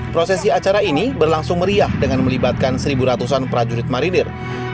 prosesi acara ini berlangsung meriah dengan melibatkan satu ratusan prajurit marinir